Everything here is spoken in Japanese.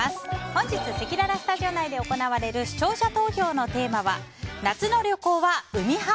本日せきららスタジオ内で行われる視聴者投票のテーマは夏の旅行は海派？